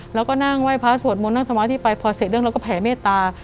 แล้วก็นั่งไหว้พระสวดมนต์นั่งสมาธิไปพอเสร็จเรื่องเราก็แผ่เมตตา